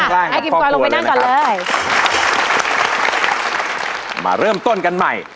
เรามาเริ่มต้นกันใหม่